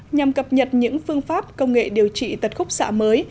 nhằm cập nhật những phương pháp công nghệ điều trị tật khúc xạ mới